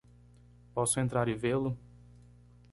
Posso entrar e vê-lo?